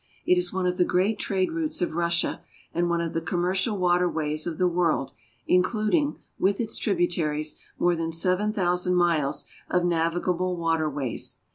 It is one of the great trade routes of Russia, and one of the commercial water ways of the world, including, with its tributaries, more than seven thou sand miles of navigable water ways.